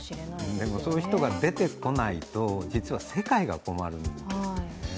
でもそういう人が出てこないと実は世界が困るんですよね。